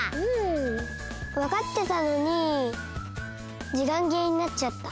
わかってたのにじかんぎれになっちゃった。